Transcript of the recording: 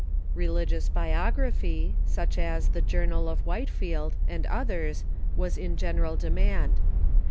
Religious biography, such as the "Journal of White field," and others, was in general demand.